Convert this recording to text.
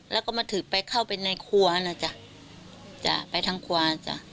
แล้วก็มาถือไปเข้าไปในครัวนะจ๊ะจ้ะไปทางครัวจ้ะ